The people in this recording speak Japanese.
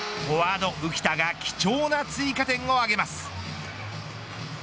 フォワード浮田が貴重な追加点を挙げます。